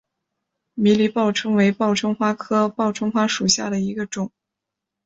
迷离报春为报春花科报春花属下的一个种。